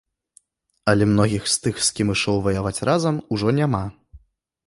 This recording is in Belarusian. Але многіх з тых, з кім ішоў ваяваць разам, ужо няма.